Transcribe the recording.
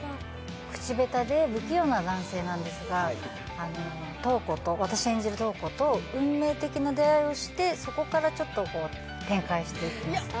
口下手で不器用な男性なんですが私演じる瞳子と運命的な出会いをして、そこから展開していきます。